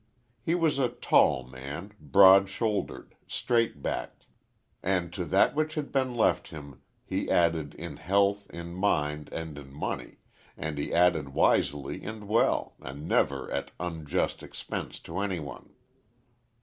He was a tall man, broad shouldered, straight backed. And to that which had been left him, he added, in health, in mind, and in money, and he added wisely and well, and never at unjust expense to anyone.